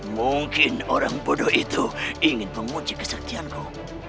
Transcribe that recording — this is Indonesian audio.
mungkin orang bodoh itu ingin menguji kesertianku